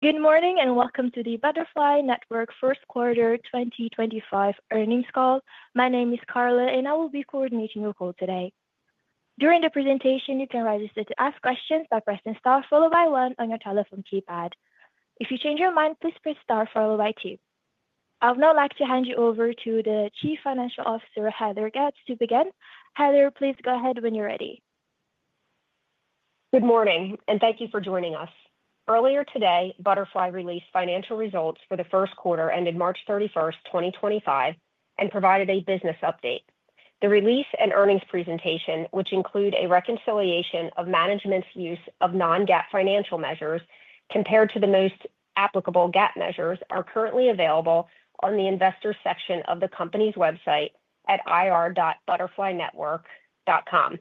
Good morning and welcome to the Butterfly Network first quarter 2025 earnings call. My name is Carla and I will be coordinating your call today. During the presentation, you can register to ask questions by pressing Star followed by one on your telephone keypad. If you change your mind, please press. Star followed by two. I would now like to hand you over to the Chief Financial Officer, Heather Getz to begin. Heather, please go ahead when you're ready. Good morning and thank you for joining us. Earlier today, Butterfly released financial results for the first quarter ended March 31st, 2025 and provided a business update. The release and earnings presentation, which include a reconciliation of management's use of non-GAAP financial measures compared to the most applicable GAAP measures, are currently available on the Investors section of the company's website at ir.butterflynetwork.com.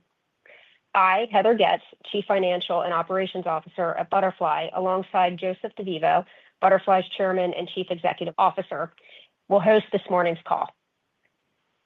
I, Heather Getz, Chief Financial and Operations Officer at Butterfly, alongside Joseph DeVivo, Butterfly's Chairman and Chief Executive Officer, will host this morning's call.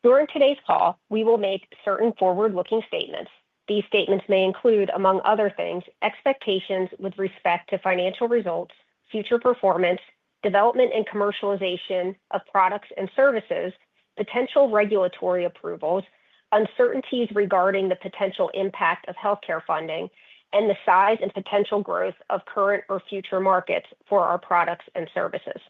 During today's call we will make certain forward-looking statements. These statements may include, among other things, expectations with respect to financial results, future performance, development and commercialization of products and services, potential regulatory approvals, uncertainties regarding the potential impact of health care funding, and the size and potential growth of current or future markets for our products and services.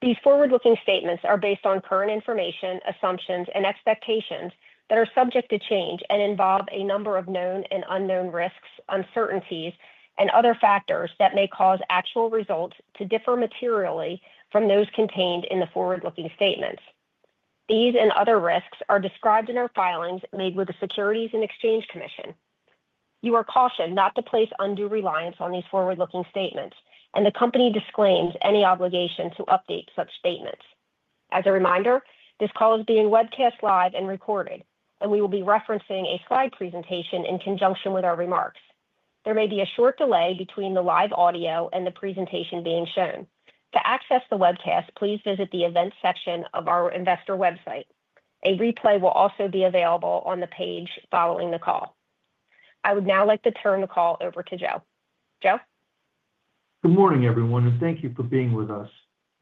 These forward looking statements are based on current information, assumptions and expectations that are subject to change and involve a number of known and unknown risks, uncertainties and other factors that may cause actual results to differ materially from those contained in the forward looking statements. These and other risks are described in our filings made with the Securities and Exchange Commission. You are cautioned not to place undue reliance on these forward looking statements and the company disclaims any obligation to update such statements. As a reminder, this call is being webcast live and recorded and we will be referencing a slide presentation in conjunction with our remarks. There may be a short delay between the live audio and the presentation being shown. To access the webcast, please visit the Events section of our investor website. A replay will also be available on the page following the call. I would now like to turn the call over to Joe, Joe. Good morning. Everyone and thank you for being with us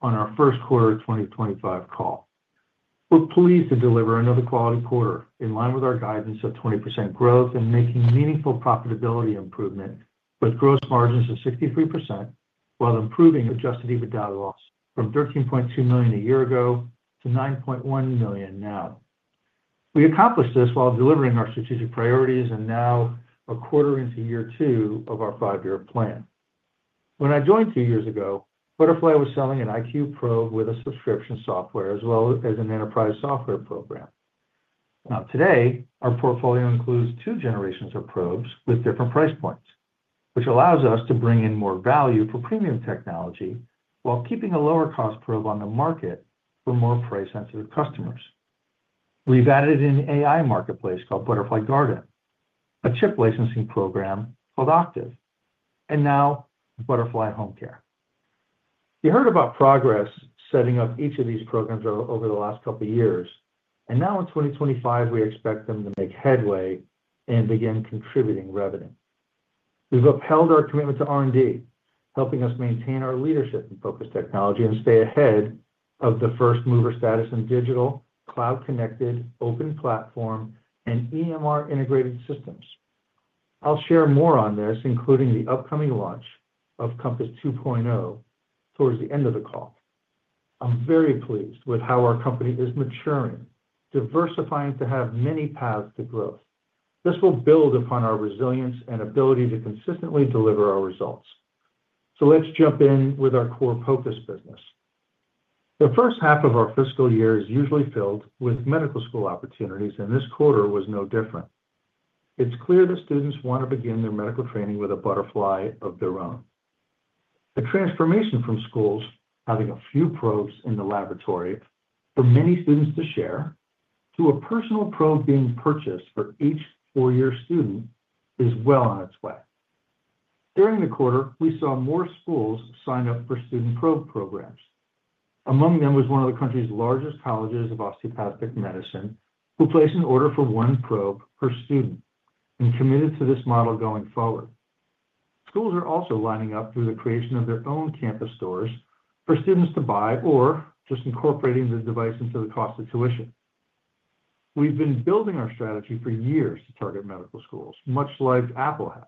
on our first quarter 2025 call. We're pleased to deliver another quality quarter in line with our guidance of 20% growth and making meaningful profitability improvement with gross margins of 63% while improving adjusted EBITDA loss from $13.2 million a year ago to $9.1 million now. We accomplished this while delivering our strategic priorities and now a quarter into year two of our five-year plan. When I joined two years ago, Butterfly was selling an iQ Pro with a subscription software as well as an enterprise software program. Now today our portfolio includes two generations of probes with different price points which allows us to bring in more value for premium technology while keeping a lower cost probe on the market. For more price sensitive customers, we've added an AI marketplace called Butterfly Garden, a chip licensing program called Octave, and now Butterfly Home Care. You heard about progress setting up each of these programs over the last couple years and now in 2025 we expect them to make headway and begin contributing revenue. We've upheld our commitment to R&D, helping us maintain our leadership in Focus Technology and stay ahead of the first mover status in digital cloud, connected Open Platform and EMR integrated systems. I'll share more on this, including the upcoming launch of Compass 2.0 towards the end of the call, I'm very pleased with how our company is maturing, diversifying to have many paths to growth. This will build upon our resilience and ability to consistently deliver our results. Let's jump in with our core Focus Business. The first half of our fiscal year is usually filled with medical school opportunities, and this quarter was no different. It's clear that students want to begin their medical training with a Butterfly of their own. The transformation from schools having a few probes in the laboratory for many students to share to a personal probe being purchased for each four year student is well on its way. During the quarter, we saw more schools sign up for student probe programs. Among them was one of the country's largest colleges of osteopathic medicine who placed an order for one probe per student and committed to this model going forward. Schools are also lining up through the creation of their own campus stores for students to buy, or just incorporating the device into the cost of tuition. We've been building our strategy for years to target medical schools much like Apple has,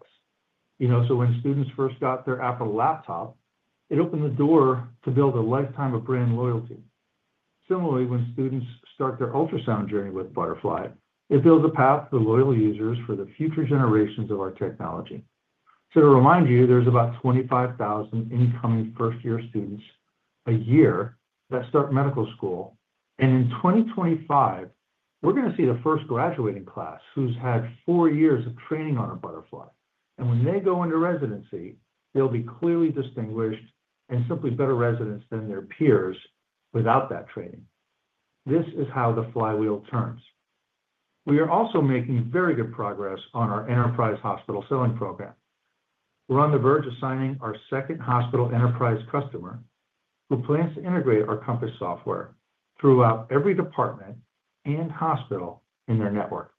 you know. When students first got their Apple laptop, it opened the door to build a lifetime of brand loyalty. Similarly, when students start their ultrasound journey with Butterfly, it builds a path for loyal users for the future generations of our technology. To remind you, there's about 25,000 incoming first year students a year that start medical school. In 2025 we're going to see the first graduating class who's had four years of training on a Butterfly. When they go into residency, they'll be clearly distinguished and simply better residents than their peers without that training. This is how the flywheel turns. We are also making very good progress on our enterprise hospital selling program. We're on the verge of signing our second hospital enterprise customer who plans to integrate our Compass software throughout every department and hospital in their network.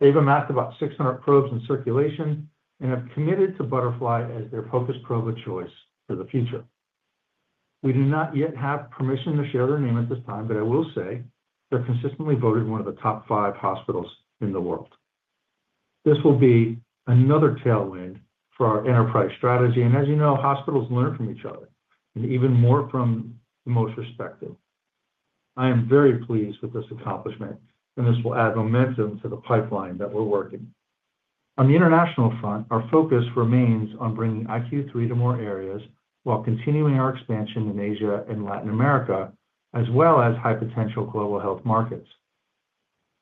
They've amassed about 600 probes in circulation and have committed to Butterfly as their focus probe of choice for the future. We do not yet have permission to share their name at this time, but I will say they're consistently voted one of the top five hospitals in the world. This will be another tailwind for our enterprise strategy and, as you know, hospitals learn from each other and even more from the most respected. I am very pleased with this accomplishment and this will add momentum to the pipeline that we're working. On the international front, our focus remains on bringing iQ3 to more areas while continuing our expansion in Asia and Latin America as well as high potential global health markets.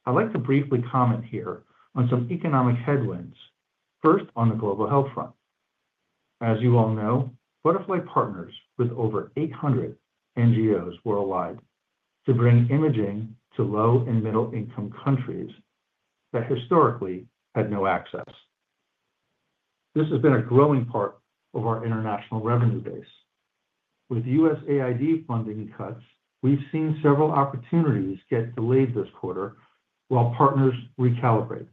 I'd like to briefly comment here on some economic headwinds. First, on the global health front, as you all know, Butterfly partners with over 800 NGOs worldwide to bring imaging to low and middle income countries that historically had no access. This has been a growing part of our international revenue base. With USAID funding cuts, we've seen several opportunities get delayed this quarter while partners recalibrate.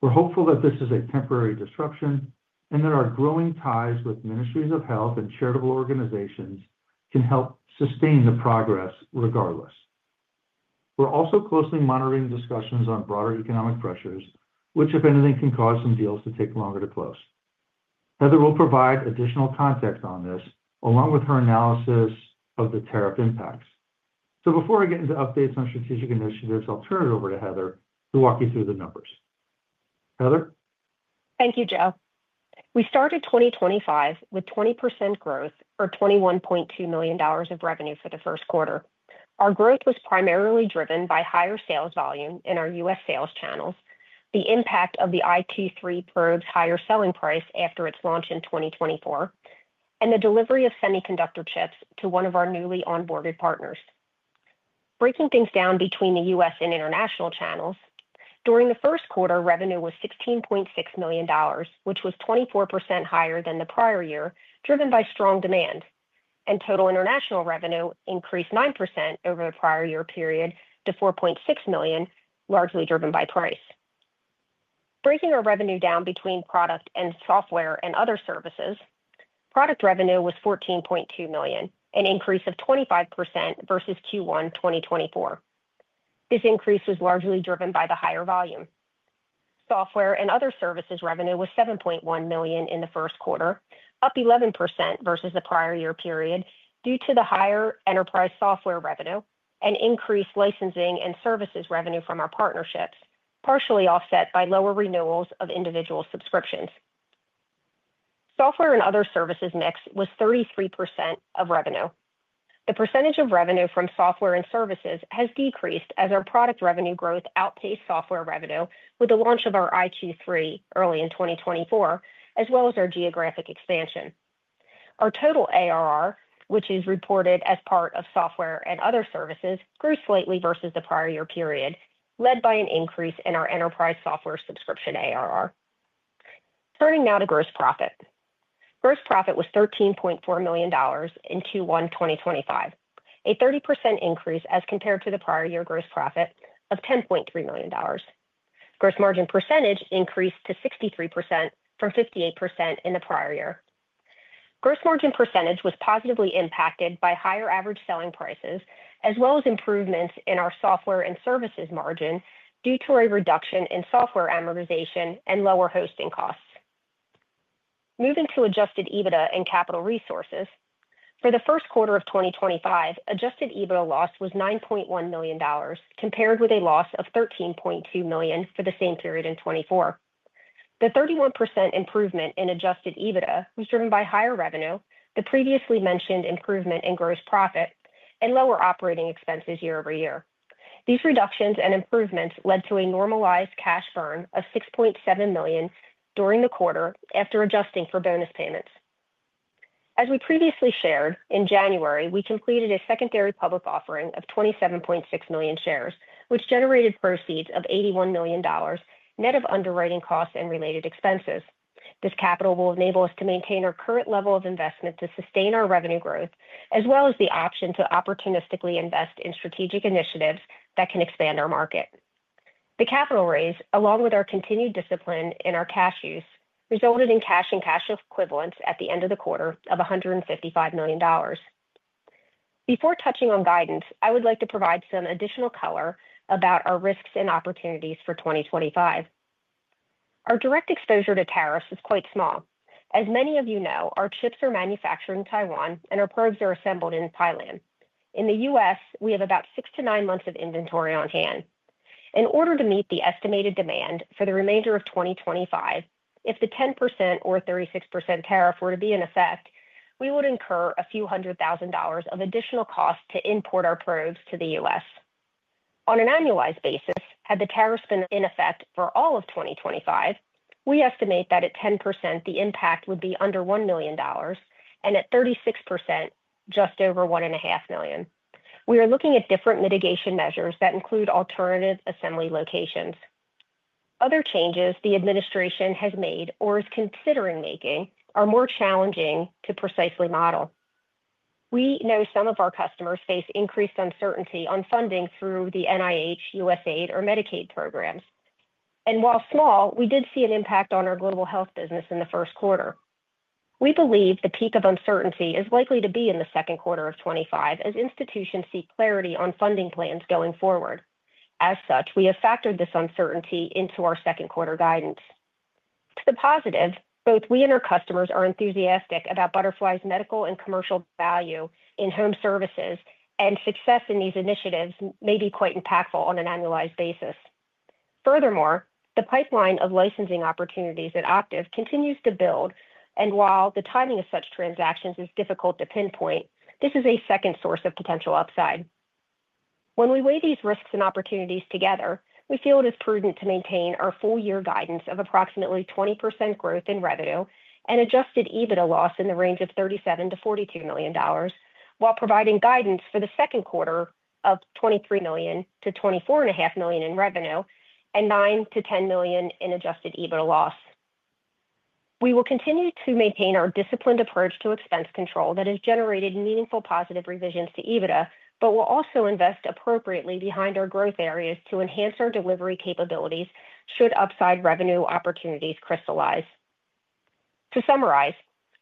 We're hopeful that this is a temporary disruption and that our growing ties with ministries of health and charitable organizations can help sustain the progress. Regardless, we're also closely monitoring discussions on broader economic pressures which if anything, can cause some deals to take longer to close. Heather will provide additional context on this, along with her analysis of the tariff impacts. Before I get into updates on strategic initiatives, I'll turn it over to Heather to walk you through the numbers. Heather. Thank you, Joe. We started 2025 with 20% growth, or $21.2 million of revenue, for the first quarter. Our growth was primarily driven by higher sales volume in our US sales channels, the impact of the iQ3 probe's higher selling price after its launch in 2024, and the delivery of semiconductor chips to one of our newly onboarded partners. Breaking things down between the US and international channels during the first quarter, revenue was $16.6 million, which was 24% higher than the prior year, driven by strong demand, and total international revenue increased 9% over the prior year period to $4.6 million, largely driven by price. Breaking our revenue down between product and software and other services, product revenue was $14.2 million, an increase of 25% versus Q1 2024. This increase was largely driven by the higher volume. Software and other services revenue was $7.1 million in the first quarter, up 11% versus the prior year period due to the higher enterprise software revenue and increased licensing and services revenue from our partnerships, partially offset by lower renewals of individual subscriptions. Software and other services mix was 33% of revenue. The percentage of revenue from software and services has decreased as our product revenue growth outpaced software revenue with the launch of our iQ3 early in 2024 as well as our geographic expansion. Our total ARR, which is reported as part of software and other services, grew slightly versus the prior year period led by an increase in our enterprise software subscription ARR. Turning now to gross profit, gross profit was $13.4 million in Q1 2025, a 30% increase as compared to the prior year gross profit of $10.3 million. Gross margin percentage increased to 63% from 58% in the prior year. Gross margin percentage was positively impacted by higher average selling prices as well as improvements in our software and services margin due to a reduction in software amortization and lower hosting costs. Moving to Adjusted EBITDA and capital resources for the first quarter of 2025, adjusted EBITDA loss was $9.1 million compared with a loss of $13.2 million for the same period in 2024. The 31% improvement in adjusted EBITDA was driven by higher revenue, the previously mentioned improvement in gross profit and lower operating expenses year over year. These reductions and improvements led to a normalized cash burn of $6.7 million during the quarter after adjusting for bonus payments. As we previously shared. In January we completed a secondary public offering of 27.6 million shares which generated proceeds of $81 million and net of underwriting costs and related expenses. This capital will enable us to maintain our current level of investment to sustain our revenue growth as well as the option to opportunistically invest in strategic initiatives that can expand our market. The capital raise, along with our continued discipline in our cash use, resulted in cash and cash equivalents at the end of the quarter of $155 million. Before touching on guidance, I would like to provide some additional color about our risks and opportunities for 2025. Our direct exposure to tariffs is quite small. As many of you know, our chips are manufactured in Taiwan and our probes are assembled in Thailand. In the U.S. we have about six to nine months of inventory on hand in order to meet the estimated demand for the remainder of 2025. If the 10% or 36% tariff were to be in effect, we would incur a few hundred thousand dollars of additional costs to import our probes to the U.S. on an annualized basis. Had the tariffs been in effect for all of 2025, we estimate that at 10% the impact would be under $1 million and at 36% just over $1.5 million. We are looking at different mitigation measures that include alternative assembly locations. Other changes the administration has made or is considering making are more challenging to precisely model. We know some of our customers face increased uncertainty on funding through the NIH, USAID or Medicaid programs, and while small, we did see an impact on our global health business in the first quarter. We believe the peak of uncertainty is likely to be in 2Q 2025 as institutions seek clarity on funding plans going forward. As such, we have factored this uncertainty into our second quarter guidance to the positive, both we and our customers are enthusiastic about Butterfly's medical and commercial value in home services and success in these initiatives may be quite impactful on an annualized basis. Furthermore, the pipeline of licensing opportunities at Octiv continues to build and while the timing of such transactions is difficult to pinpoint, this is a second source of potential upside. When we weigh these risks and opportunities together, we feel it is prudent to maintain our full year guidance of approximately 20% growth in revenue and adjusted EBITDA loss in the range of $37 million-$42 million, while providing guidance for 2Q of $23 million-$24.5 million in revenue and $9 million-$10 million in adjusted EBITDA loss. We will continue to maintain our disciplined approach to expense control that has generated meaningful positive revisions to EBITDA but will also invest appropriately behind our growth areas to enhance our delivery capabilities should upside revenue opportunities crystallize. To summarize,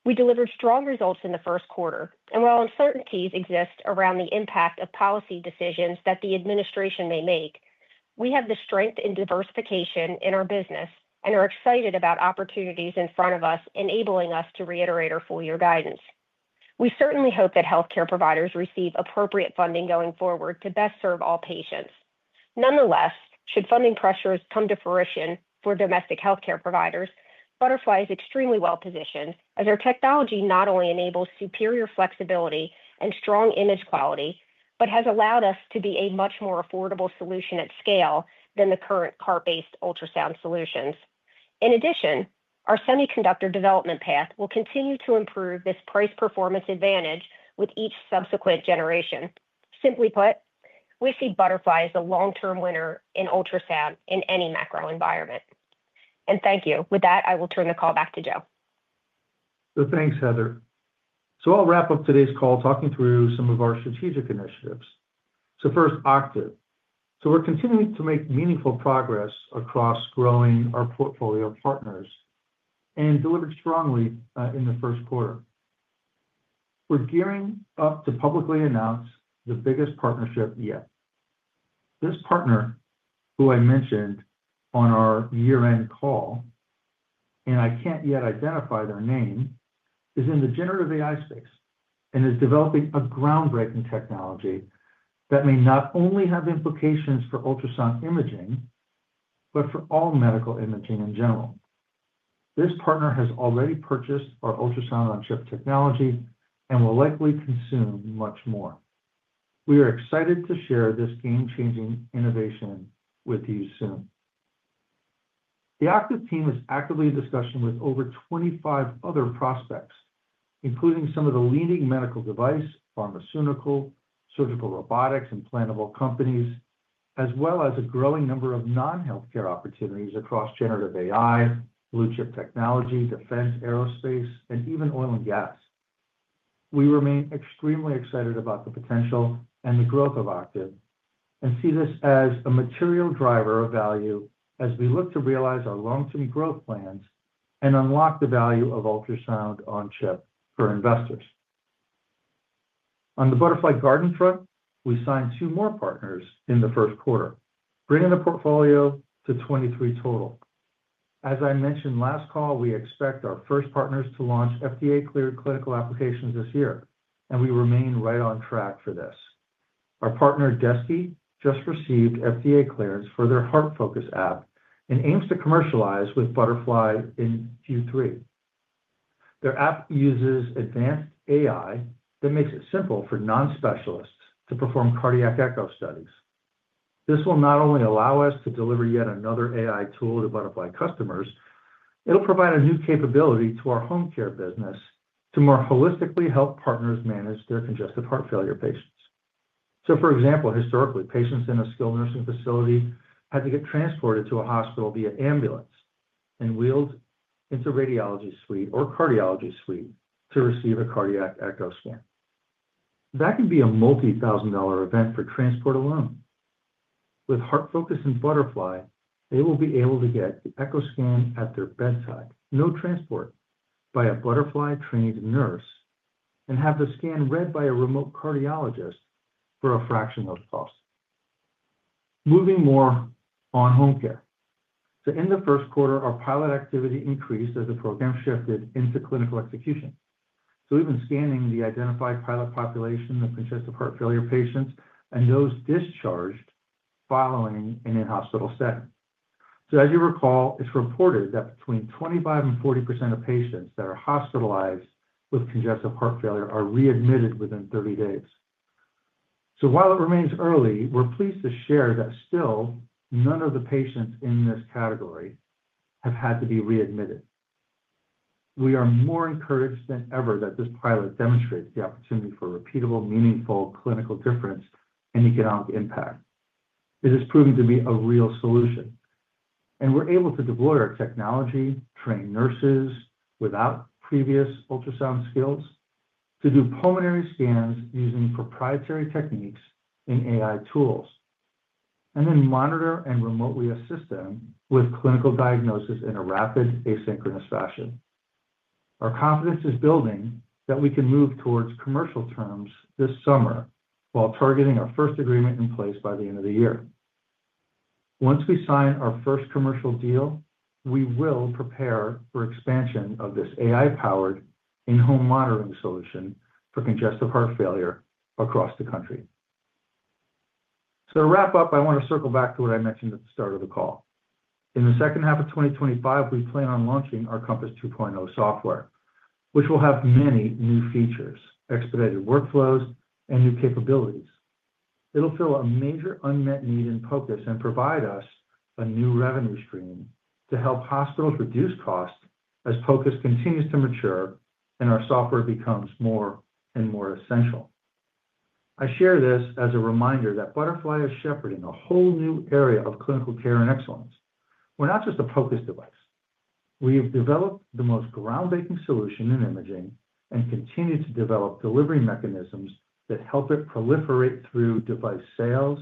we delivered strong results in the first quarter and while uncertainties exist around the impact of policy decisions that the administration may make, we have the strength in diversification in our business and are excited about opportunities in front of us enabling us to reiterate our full year guidance. We certainly hope that healthcare providers receive appropriate funding going forward to best serve all patients. Nonetheless, should funding pressures come to fruition for domestic healthcare providers, Butterfly is extremely well positioned as our technology not only enables superior flexibility and strong image quality, but has allowed us to be a much more affordable solution at scale than the current cart based ultrasound solutions. In addition, our semiconductor development path will continue to improve this price performance advantage with each subsequent generation. Simply put, we see Butterfly as the long term winner in ultrasound in any macro environment. Thank you. With that I will turn the call back to Joe. Thanks, Heather. I'll wrap up today's call talking through some of our strategic initiatives. First, Octave. We're continuing to make meaningful progress across growing our portfolio of partners and delivered strongly. In the first quarter, we're gearing up to publicly announce the biggest partnership yet. This partner, who I mentioned on our year-end call and I can't yet identify their name, is in the Generative AI space and is developing a groundbreaking technology that may not only have implications for ultrasound imaging, but for all medical imaging in general. This partner has already purchased our ultrasound-on-chip technology and will likely consume much more. We are excited to share this game-changing innovation with you soon. The active team is actively in discussion with over 25 other prospects including some of the leading medical device, pharmaceutical, surgical, robotics and implantable companies as well as a growing number of non healthcare opportunities across generative AI, blue chip technology, defense, aerospace and even oil and gas. We remain extremely excited about the potential and the growth of Octave and see this as a material driver of value as we look to realize our long term growth plans and unlock the value of ultrasound-on-chip for investors. On the Butterfly Garden front, we signed two more partners in the first quarter bringing the portfolio to 23 total. As I mentioned last call we expect our first partners to launch FDA cleared clinical applications this year and we remain right on track for this. Our partner Desti just received FDA clearance for their Heart Focus app and aims to commercialize with Butterfly in Q3. Their app uses advanced AI that makes it simple for non specialists to perform cardiac echo studies. This will not only allow us to deliver yet another AI tool to Butterfly customers, it will provide a new capability to our home care business to more holistically help partners manage their congestive heart failure patients. For example, historically patients in a skilled nursing facility had to get transported to a hospital via ambulance and wheeled into a radiology suite or cardiology suite to receive a cardiac echo scan that can be a multi thousand dollar event for transport alone. With Heart Focus and Butterfly, they will be able to get the echo scan at their bedside, no transport, by a Butterfly-trained nurse and have the scan read by a remote cardiologist for a fraction of the cost. Moving more on Home Care, in the first quarter our pilot activity increased as the program shifted into clinical execution. We have been scanning the identified pilot population of congestive heart failure patients and those discharged following an in-hospital setting. As you recall, it is reported that between 25% and 40% of patients that are hospitalized with congestive heart failure are readmitted within 30 days. While it remains early, we are pleased to share that still none of the patients in this category have had to be readmitted. We are more encouraged than ever that this pilot demonstrates the opportunity for repeatable, meaningful clinical difference and economic impact. It is proving to be a real solution and we're able to deploy our technology, train nurses without previous ultrasound skills to do pulmonary scans using proprietary techniques and AI tools, and then monitor and remotely assist them with clinical diagnosis in a rapid, asynchronous fashion. Our confidence is building that we can move towards commercial terms this summer while targeting our first agreement in place by the end of the year. Once we sign our first commercial deal, we will prepare for expansion of this AI powered in home monitoring solution for congestive heart failure across the country. To wrap up, I want to circle back to what I mentioned at the start of the call. In the second half of 2025, we plan on launching our Compass 2.0 software which will have many new features, expedited workflows and new capabilities. It'll fill a major unmet need in POCUS and provide us a new revenue stream to help hospitals reduce cost as POCUS continues to mature and our software becomes more and more essential. I share this as a reminder that Butterfly is shepherding a whole new area of clinical care and excellence. We're not just a POCUS device. We have developed the most groundbreaking solution in imaging and continue to develop delivery mechanisms that help it proliferate through device sales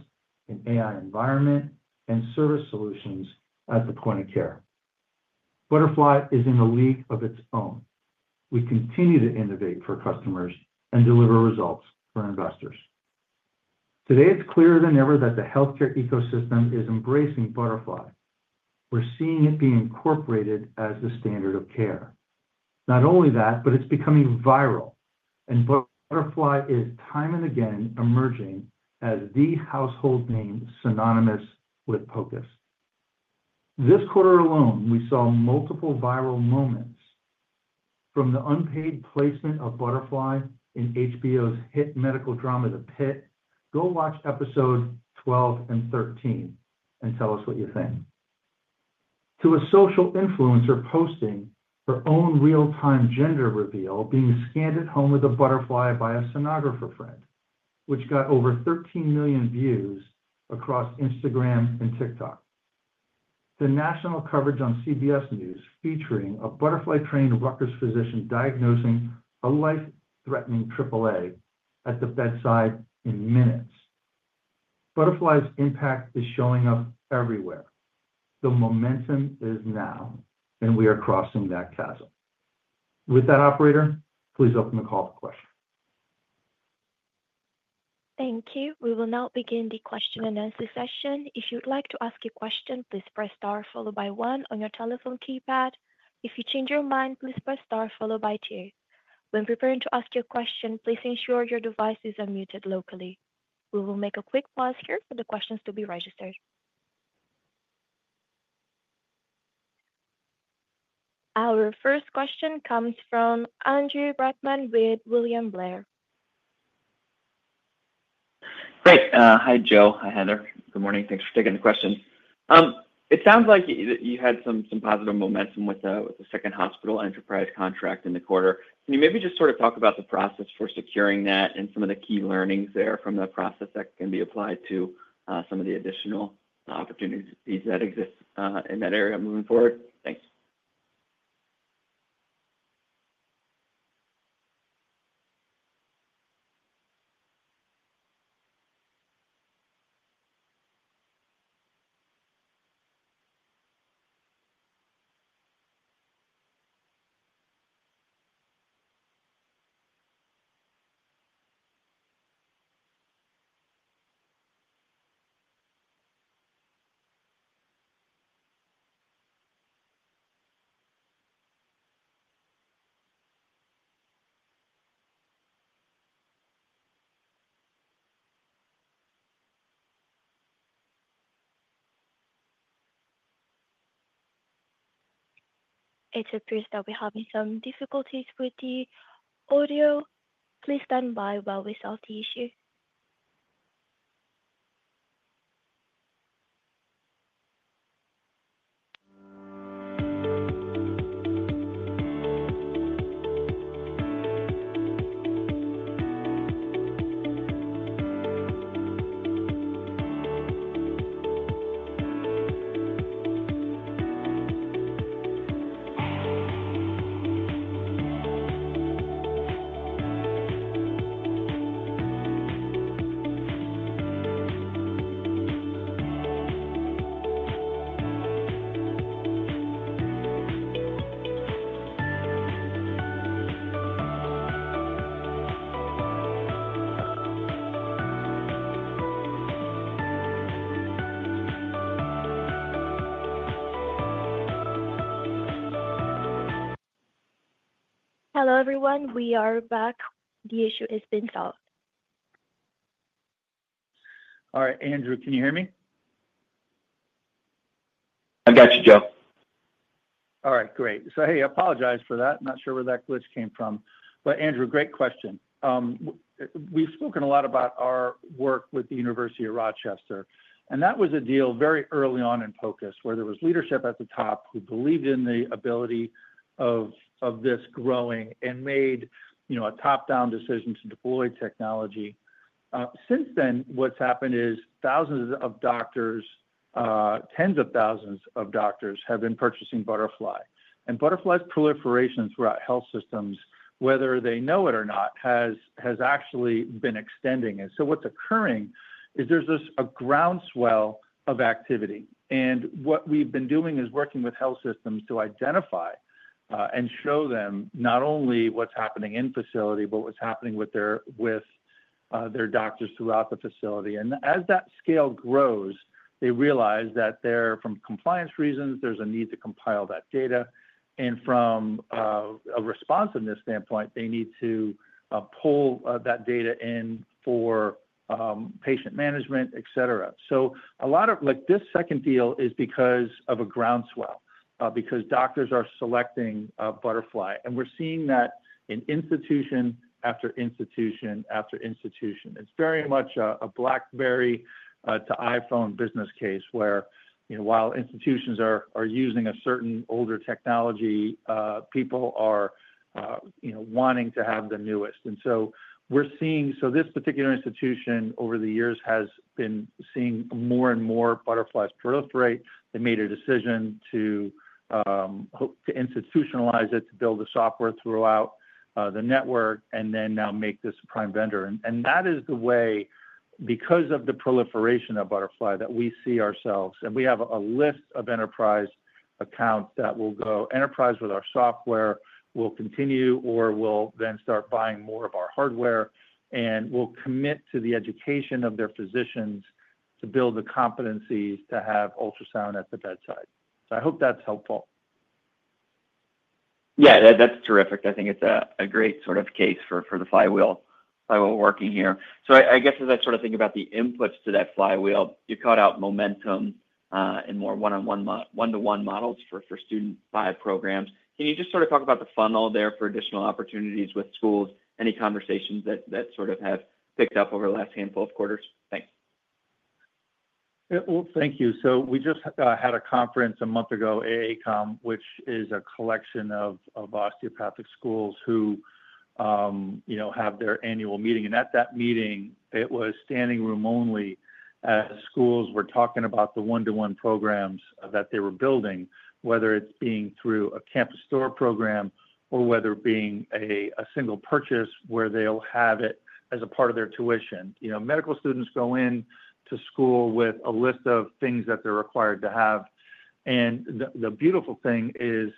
in AI, environment and service solutions. At the point of care, Butterfly is in a league of its own. We continue to innovate for customers and deliver results for investors. Today it's clearer than ever that the healthcare ecosystem is embracing Butterfly. We're seeing it be incorporated as the standard of care. Not only that, but it's becoming viral and Butterfly is time and again emerging as the household name synonymous with POCUS. This quarter alone we saw multiple viral moments from the unpaid placement of Butterfly in HBO's hit medical drama The Pit. Go watch episode 12 and 13 and tell us what you think, to a social influencer posting her own real time gender reveal being scanned at home with a Butterfly by a sonographer friend, which got over 13 million views across Instagram and TikTok. The national coverage on CBS News featuring a Butterfly-trained Rutgers physician diagnosing a life threatening AAA at the bedside in minutes. Butterfly's impact is showing up everywhere. The momentum is now and we are crossing that chasm with that operator. Please open the call to question. Thank you. We will now begin the question and answer session. If you'd like to ask a question, please press star followed by one on your telephone keypad. If you change your mind, please press star followed by two. When preparing to ask your question, please ensure your device is unmuted locally. We will make a quick pause here for the questions to be registered. Our first question comes from Andrew Brightman with William Blair. Great. Hi, Joe. Hi, Heather. Good morning. Thanks for taking the question. It sounds like you had some positive momentum with the second hospital enterprise contract in the quarter. Can you maybe just sort of talk about the process for success securing that and some of the key learnings there from the process that can be applied to some of the additional opportunities that exist in that area moving forward? Thanks. Appears that we are having some difficulties with the audio. Please stand by while we solve the issue. [on hold music]. Hello everyone. We are back. The issue has been solved. All right. Andrew, can you hear me? I've got you, Joe. All right, great. Hey, I apologize for that. Not sure where that glitch came from, but Andrew, great question. We've spoken a lot about our work with the University of Rochester and that was a deal very early on in POCUS where there was leadership at the top who believed in the ability of this growing and made a top down decision to deploy technology. Since then, what's happened is thousands of doctors, tens of thousands of doctors have been purchasing Butterfly. Butterfly's proliferation throughout health systems, whether they know it or not, has actually been extending. What's occurring is there's this groundswell of activity. What we've been doing is working with health systems to identify and show them not only what's happening in facility, but what's happening with their doctors throughout the facility. As that scale grows, they realize that for compliance reasons, there's a need to compile that data and from a responsiveness standpoint, they need to pull that data in for patient management, et cetera. A lot of this second deal is because of a groundswell, because doctors are selecting Butterfly and we're seeing that in institution after institution after institution. It's very much a BlackBerry to iPhone business case where while institutions are using a certain older technology, people are wanting to have the newest. This particular institution over the years has been seeing more and more Butterfly's proliferate. They made a decision to institutionalize it to build the software throughout the network and then now make this prime vendor. That is the way, because of the proliferation of Butterfly, that we see ourselves, and we have a list of enterprise accounts that will go enterprise with our software, will continue or will then start buying more of our hardware and will commit to the education of their physicians to build the competencies to have ultrasound at the bedside. I hope that's helpful. Yeah, that's terrific. I think it's a great sort of case for the flywheel working here. I guess as I sort of think about the inputs to that flywheel, you called out momentum in more one on one, one to one models for student five programs. Can you just sort of talk about the funnel there for additional opportunities with schools? Any conversations that sort of have picked up over the last handful of quarters? Thanks. Thank you. We just had a conference a month ago, AACOM, which is a collection of osteopathic schools who have their annual meeting. At that meeting it was standing room only as schools were talking about the one to one programs that they were building. Whether it's being through a campus store program or whether being a single purchase where they'll have it as a part of their tuition. Medical students go in to school with a list of things that they're required to have. The beautiful thing is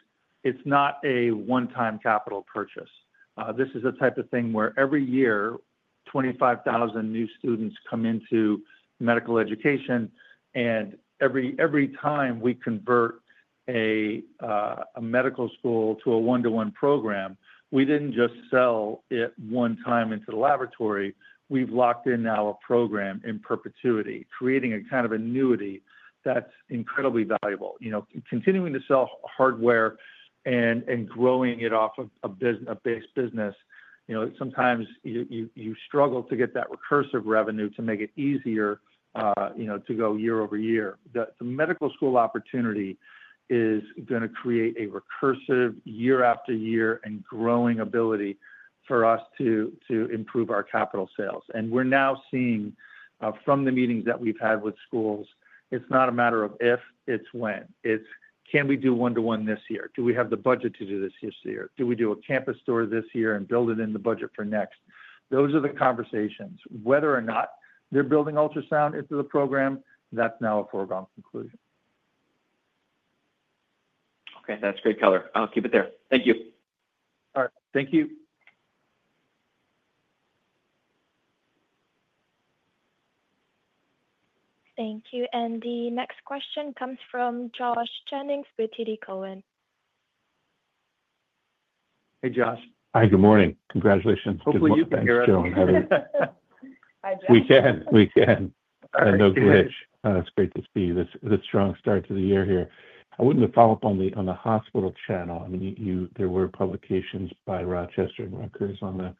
it's not a one time capital purchase. This is the type of thing where every year 25,000 new students come into medical education. Every time we convert a medical school to a one to one program, we didn't just sell it one time into the laboratory. We've locked in now a program in perpetuity, creating a kind of annuity that's incredibly valuable. You know, continuing to sell hardware and growing it off of a business based business. You know, sometimes you struggle to get that recursive revenue to make it easier, you know, to go YoY. The medical school opportunity is going to create a recursive year after year and growing ability for us to improve our capital sales. We're now seeing from the meetings that we've had with schools, it's not a matter of if, it's when, it's can we do one to one this year? Do we have the budget to do this this year? Do we do a campus store this year and build it in the budget for next? Those are the conversations. Whether or not they're building ultrasound into the program, that's now a foregone conclusion. Okay, that's great color. I'll keep it there. Thank you. All right. Thank you. Thank you. The next question comes from Josh Jennings with TD Cowen. Hey, Josh. Hi. Good morning. Congratulations. We can, we can. No glitch. It's great to see this strong start to the year here. I wouldn't follow up on the. On the hospital channel. I mean, you. There were publications by Rochester and Rutgers on the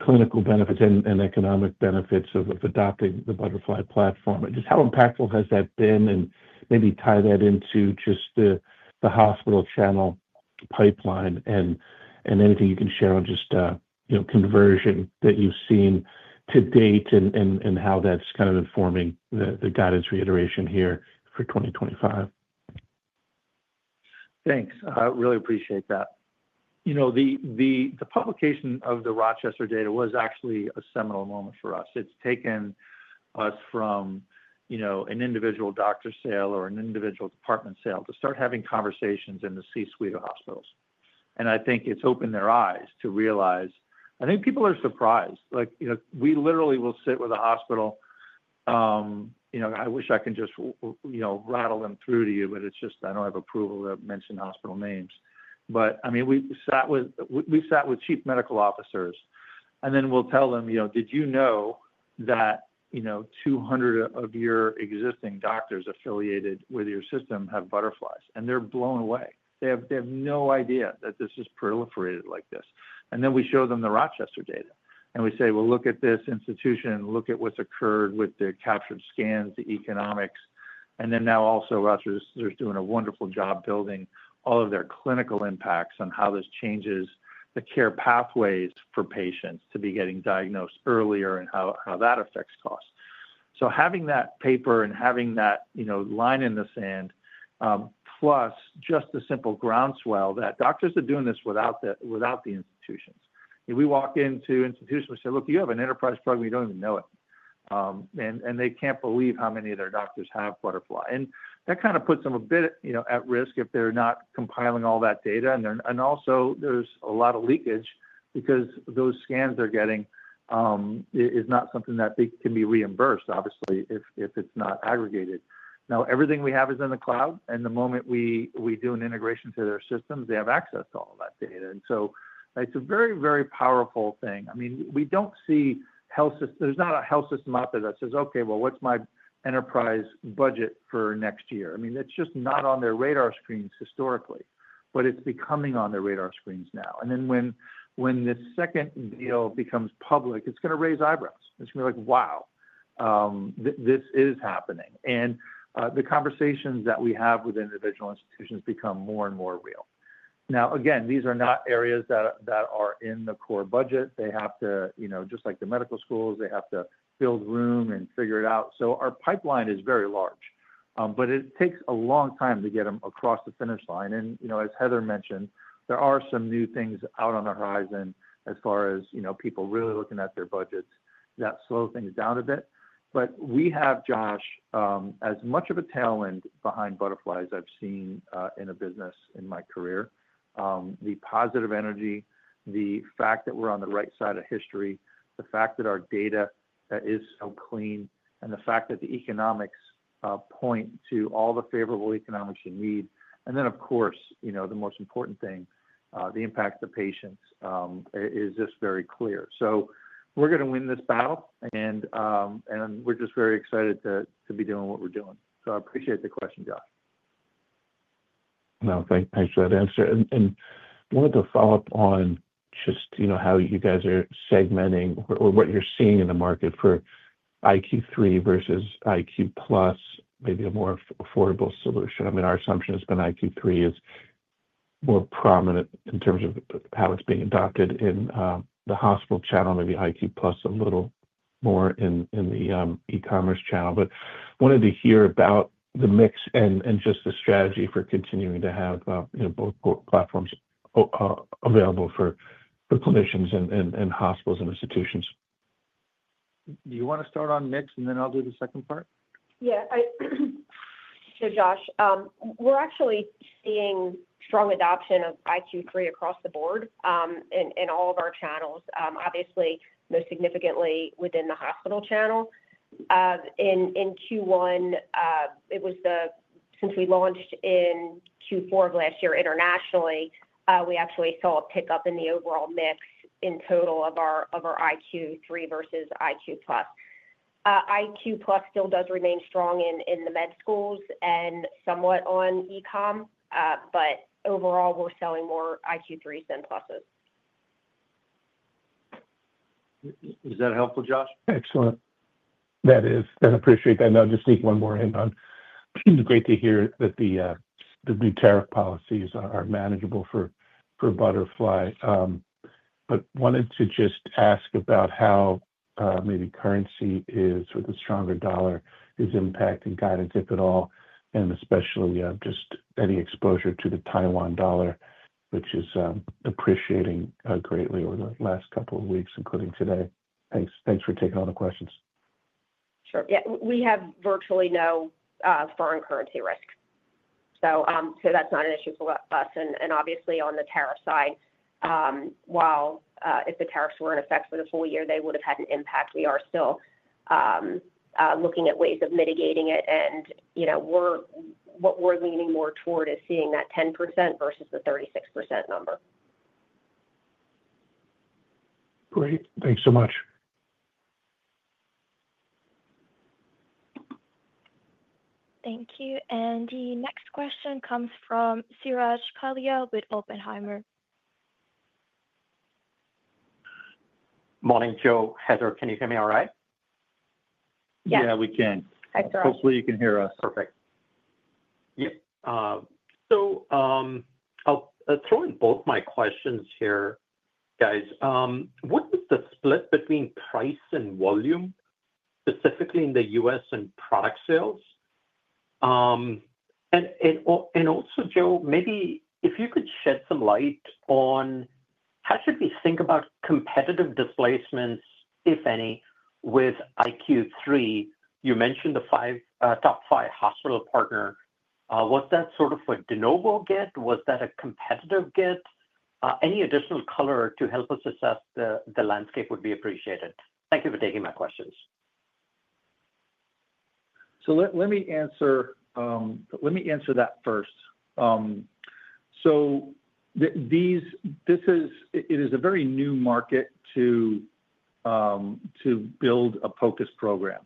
clinical benefits and economic benefits of adopting the Butterfly platform. Just how impactful has that been? And maybe tie that into just the hospital channel pipeline and anything you can share on just, you know, conversion that you've seen to date and how that's kind of informing the guidance reiteration here for 2025. Thanks. Really appreciate that. You know, the publication of the Rochester data was actually a seminal moment for us. It's taken us from, you know, an individual doctor sale or an individual department sale to start having conversations in the C suite of hospitals. I think it's opened their eyes to realize, I think people are surprised. Like, you know, we literally will sit with a hospital. You know, I wish I could just, you know, rattle them through to you, but it's just, I don't have approval to mention hospital names. I mean, we sat with chief medical officers and then we'll tell them, you know, did you know that 200 of your existing doctors affiliated with your system have Butterfly's? They're blown away. They have no idea that this has proliferated like this. Then we show them the Rochester data and we say, look at this institution. Look at what's occurred with the captured scans, the economics. Rochester is doing a wonderful job building all of their clinical impacts on how this changes the care pathways for patients to be getting diagnosed earlier and how that affects costs. Having that paper and having that line in the sand, plus just a simple groundswell that doctors are doing this without the institutions. We walk into institutions, we say, look, you have an enterprise program, you do not even know it. They cannot believe how many of their doctors have Butterfly. That kind of puts them a bit at risk if they are not compiling all that data. There is also a lot of leakage because those scans they are getting is not something that can be reimbursed, obviously, if it is not aggregated. Everything we have is in the cloud. The moment we do an integration to their systems, they have access to all that data. It is a very, very powerful thing. I mean, we do not see health. There is not a health system out there that says, okay, what is my enterprise budget for next year? I mean, it is just not on their radar screens historically, but it is becoming on their radar screens now. When the second deal becomes public, it is going to raise eyebrows. It is going to be like, wow, this is happening. The conversations that we have with individual institutions become more and more real now. Again, these are not areas that are in the core budget. They have to, just like the medical schools, build room and figure it out. Our pipeline is very large, but it takes a long time to get them across the finish line. You know, as Heather mentioned, there are some new things out on the horizon as far as, you know, people really looking at their budgets that slow things down a bit. We have Josh, as much of a talent behind Butterfly as I've seen in a business in my career. The positive energy, the fact that we're on the right side of history, the fact that our data is so clean and the fact that the economics point to all the favorable economics you need. Of course, you know, the most important thing, the impact to patients is just very clear. We're going to win this battle and we're just very excited to be doing what we're doing. I appreciate the question, Josh. Thanks for that answer and wanted to follow up on just, you know, how you guys are segmenting or what you're seeing in the market for iQ3 versus iQ+. Maybe a more affordable solution. I mean, our assumption has been iQ3 is more prominent in terms of how it's being adopted in the hospital channel. Maybe iQ+ a little more in the E- Commerce channel, but wanted to hear about the mix and just the strategy for continuing to have both platforms available for clinicians and hospitals and institutions. Do you want to start on mix and then I'll do the second part? Yeah, Josh, we're actually seeing strong adoption of iQ3 across the board in all of our channels. Obviously most significantly within the hospital channel in Q1. Since we launched in Q4 of last year internationally, we actually saw a pickup in the overall mix in total of our iQ3 versus iQ+. iQ+ still does remain strong in the med schools and somewhat on e-comm, but overall we're selling more iQ3s than pluses. Is that helpful, Josh? Excellent. That is, and appreciate that. I'll just sneak one more in on. Great to hear that the new tariff policies are manageable for Butterfly, but wanted to just ask about how maybe currency is, with a stronger dollar, is impacting guidance, if at all. Especially we have just any exposure to the Taiwan dollar, which is appreciating greatly over the last couple of weeks, including today. Thanks. Thanks for taking all the questions. Sure. We have virtually no foreign currency risk, so that's not an issue for us. Obviously on the tariff side, while if the tariffs were in effect for the full year, they would have had an impact, we are still looking at ways of mitigating it. You know, what we're leaning more toward is seeing that 10% versus the 36% number. Great, thanks so much. Thank you. The next question comes from Suraj Kalia with Oppenheimer. Morning, Joe. Heather, can you hear me all right? Yeah, we can. Hopefully you can hear us. Perfect. Yep. I’ll throw in both my questions here, guys. What is the split between price and volume, specifically in the U.S. and product sales? Also, Joe, maybe if you could shed some light on how should we think about competitive displacements, if any, with iQ3, you mentioned the top five hospital partner. Was that sort of a de novo get? Was that a competitive get? Any additional color to help us assess the landscape would be appreciated. Thank you for taking my questions. Let me answer that first. This is a very new market to build a POCUS program.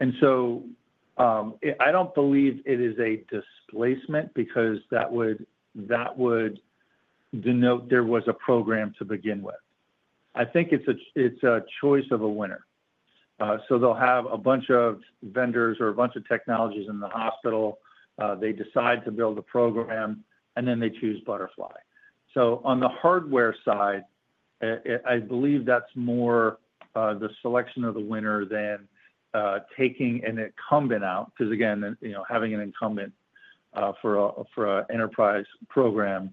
I don't believe it is a displacement because that would denote there was a program to begin with. I think it's a choice of a winner. They'll have a bunch of vendors or a bunch of technologies in the hospital. They decide to build a program and then they choose Butterfly. On the hardware side, I believe that's more the selection of the winner than taking an incumbent out. Having an incumbent for an enterprise program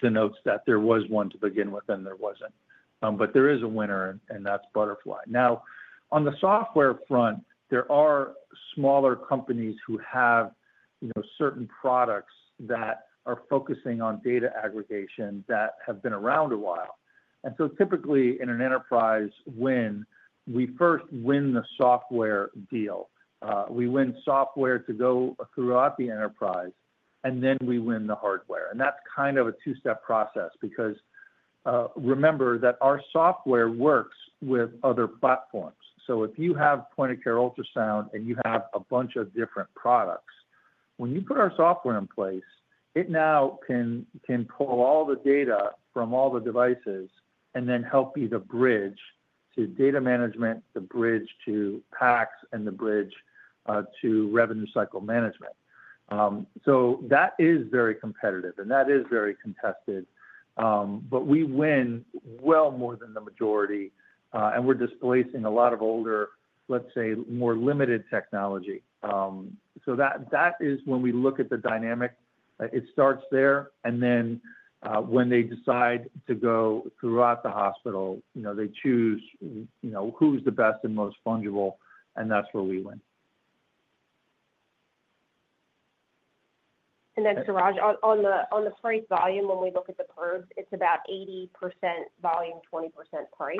denotes that there was one to begin with and there wasn't. There is a winner and that's Butterfly. On the software front, there are smaller companies who have, you know, certain products that are focusing on data aggregation that have been around a while. Typically in an enterprise win, we first win the software deal, we win software to go throughout the enterprise, and then we win the hardware. That is kind of a two step process because remember that our software works with other platforms. If you have point of care ultrasound, and you have a bunch of different products, when you put our software in place, it now can pull all the data from all the devices and then help you. The bridge to data management, the bridge to PACS, and the bridge to revenue cycle management. That is very competitive and that is very contested. We win well more than the majority and we are displacing a lot of older, say more limited technology. When we look at the dynamic, it starts there and then when they decide to go throughout the hospital, you know, they choose, you know, who is the best and most fungible and that is where we win. Suraj, on the price, volume, when we look at the curves, it's about 80% volume, 20% price.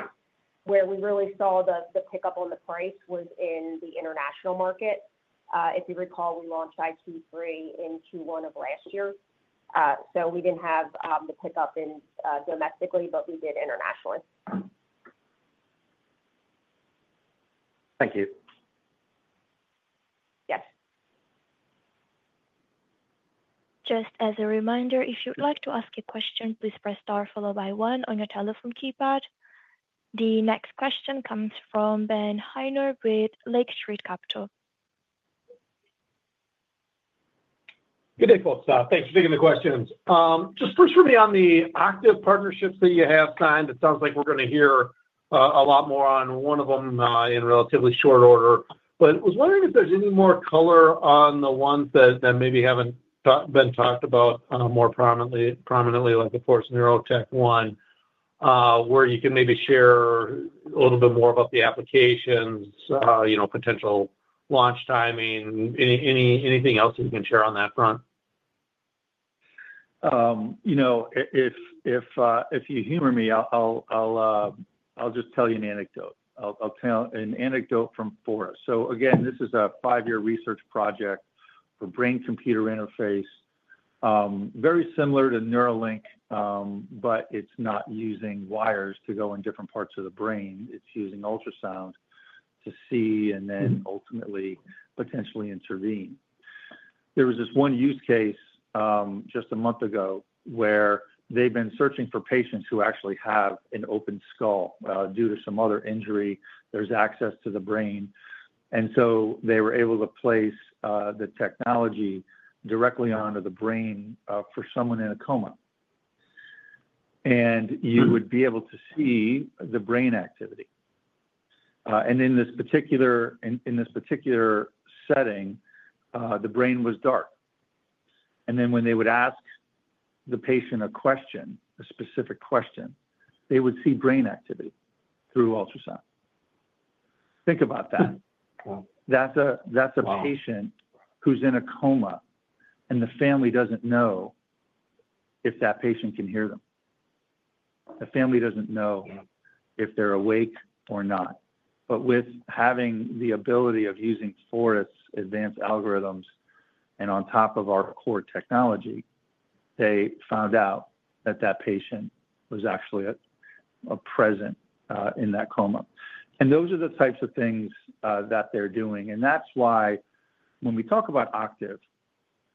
Where we really saw the pickup on the price was in the international market. If you recall, we launched iQ3 in Q1 of last year. We didn't have the pickup domestically, but we did internationally. Thank you. Yes. Just as a reminder, if you'd like to ask a question, please press star followed by one on your telephone keypad. The next question comes from Ben Haynor with Lake Street Capital. Good day folks. Thanks for taking the questions. Just first for me on the Octave partnerships that you have signed. It sounds like we're going to hear a lot more on one of them in relatively short order, but was wondering if there's any more color on the ones that maybe haven't been talked about more prominently like the Forest Neurotech one where you can maybe share a little bit more about the applications, you know, potential launch timing, anything else you can share on that front. You know, if you humor me, I'll just tell you an anecdote. I'll tell an anecdote from Forest. This is a five year research project for brain computer interface, very similar to Neuralink, but it's not using wires to go in different parts of the brain. It's using ultrasound to see and then ultimately potentially intervene. There was this one use case just a month ago where they've been searching for patients who actually have an open skull due to some other injury. There is access to the brain and so they were able to place the technology directly onto the brain for someone in a coma. You would be able to see the brain activity. In this particular setting, the brain was dark. When they would ask the patient a question, a specific question, they would see brain activity through ultrasound. Think about that. That is a patient who is in a coma and the family does not know if that patient can hear them. The family does not know if they are awake or not. With having the ability of using Forest advanced algorithms and on top of our core technology, they found out that that patient was actually present in that coma. Those are the types of things that they're doing. That is why when we talk about Octave,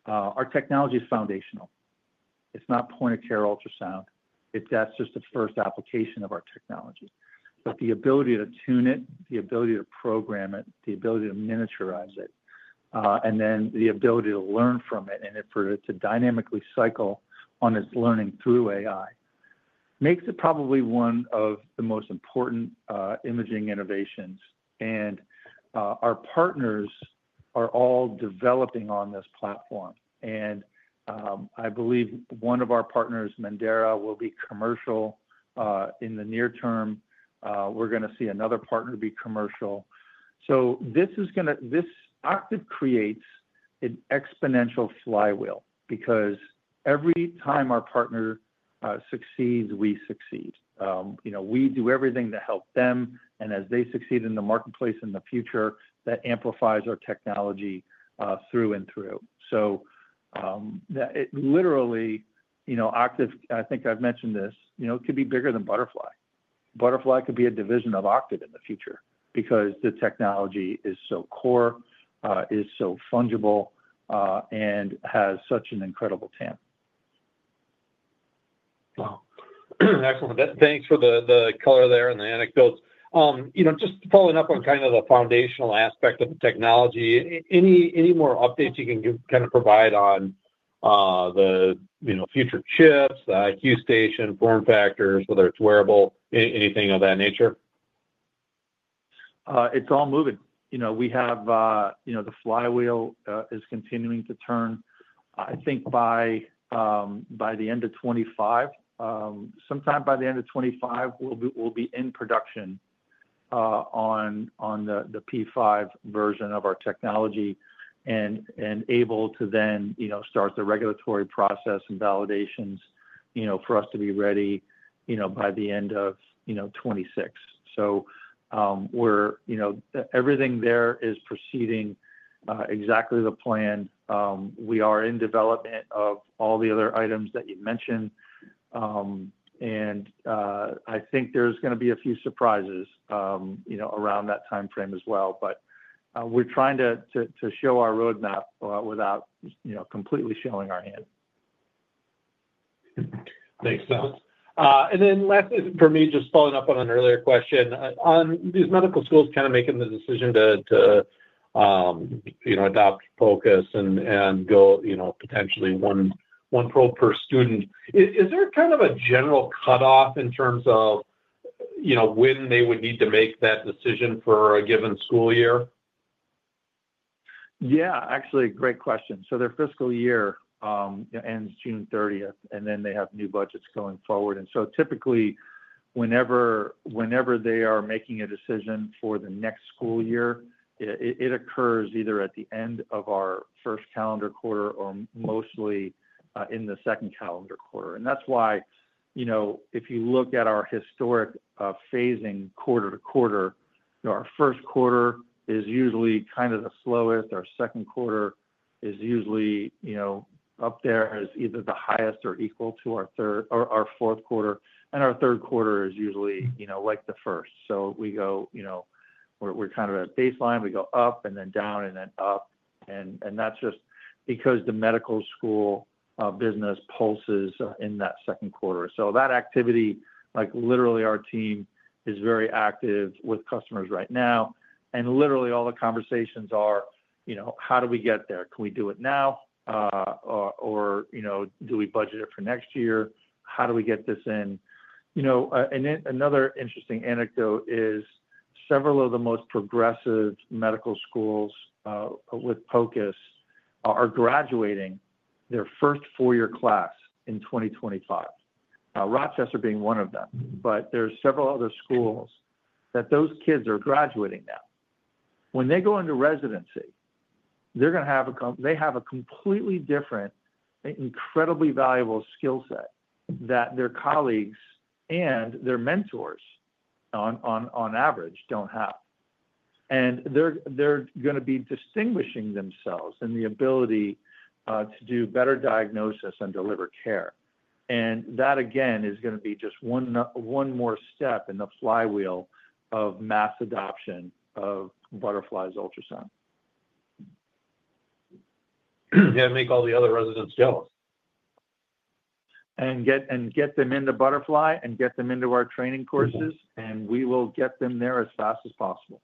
our technology is foundational. It is not point of care ultrasound, that is just the first application of our technology. The ability to tune it, the ability to program it, the ability to miniaturize it, and then the ability to learn from it and for it to dynamically cycle on its learning through AI makes it probably one of the most important imaging innovations. Our partners are all developing on this platform. I believe one of our partners, Mandera, will be commercial in the near term. We are going to see another partner be commercial. This is going to. This Octave creates an exponential flywheel because every time our partner succeeds, we succeed. You know, we do everything to help them. As they succeed in the marketplace in the future, that amplifies our technology through and through. Literally, you know, Octave, I think I've mentioned this, you know, could be bigger than Butterfly. Butterfly could be a division of Octave in the future because the technology is so core, is so fungible, and has such an incredible tan. Excellent. Thanks for the color there and the anecdotes. You know, just following up on kind of the foundational aspect of the technology. Any, any more updates you can kind of provide on the, you know, future chips, the iQ Station, form factors, whether it's wearable, anything of that nature. It's all moving. You know, we have, you know, the flywheel is continuing to turn. I think by the end of 2025, sometime by the end of 2025, we'll be in production on the P5 version of our technology and able to then, you know, start the regulatory process and validations, you know, for us to be ready, you know, by the end of, you know, 2026. We are, you know, everything there is proceeding exactly the plan. We are in development of all the other items that you mentioned. I think there's going to be a few surprises, you know, around that time frame as well. We are trying to show our roadmap without, you know, completely showing our hand. Makes sense. Lastly, for me, just following up on an earlier question on these medical schools kind of making the decision to, you know, adopt POCUS and go, you know, potentially one probe per student. Is there kind of a general cutoff in terms of, you know, when they would need to make that decision for a given school year? Yeah, actually. Great question. Their fiscal year ends June 30, and then they have new budgets going forward. Typically, whenever they are making a decision for the next school year, it occurs either at the end of our first calendar quarter or mostly in the second calendar quarter. That's why, you know, if you look at our historic phasing quarter to quarter, our first quarter is usually kind of the slowest. Our second quarter is usually, you know, up there as either the highest or equal to our third or our fourth quarter. Our third quarter is usually, you know, like the first. We go, you know, we're kind of at baseline, we go up and then down and then up. That's just because the medical school business pulses in that second quarter. That activity, like literally our team is very active with customers right now. Literally all the conversations are, you know, how do we get there? Can we do it now? You know, do we budget it for next year? How do we get this in? Another interesting anecdote is several of the most progressive medical schools with POCUS are graduating their first four-year class in 2025, Rochester being one of them. There's several other schools that those kids are graduating now. When they go into residency, they're going to have a, they have a completely different, incredibly valuable skill set that their colleagues and their mentors on average don't have. They are going to be distinguishing themselves and the ability to do better diagnosis and deliver care. That again is going to be just one more step in the flywheel of mass adoption of Butterfly's ultrasound. Make all the other residents jealous And get them into Butterfly and get them into our training courses and we will get them there as fast as possible.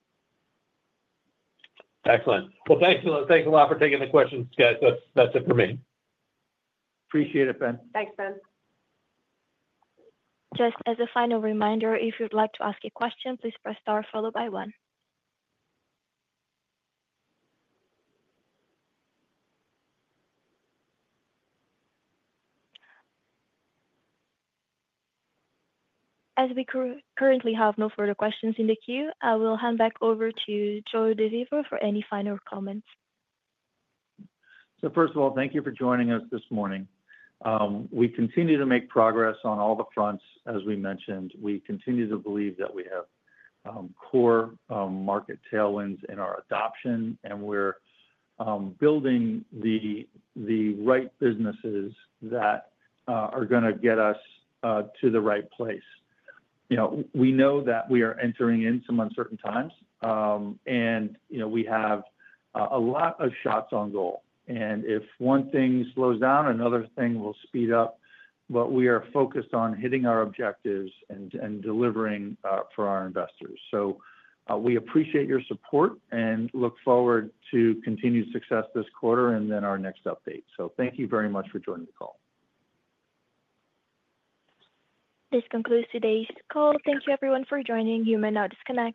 Excellent. Thanks a lot for taking the questions, guys. That is it for me. Appreciate it, Ben. Thanks, Ben. Just as a final reminder, if you'd like to ask a question, please press star followed by one. As we currently have no further questions in the queue, I will hand back over to Joe DeVivo for any final comments. First of all, thank you for joining us this morning. We continue to make progress on all the fronts. As we mentioned, we continue to believe that we have core market tailwinds in our adoption and we're building the right businesses that are going to get us to the right place. You know, we know that we are entering in some uncertain times and, you know, we have a lot of shots on goal and if one thing slows down, another thing will speed up. We are focused on hitting our objectives and delivering for our investors. We appreciate your support and look forward to continued success this quarter and then our next updates. We thank you very much for joining the call. This concludes today's call. Thank you, everyone, for joining. You may now disconnect.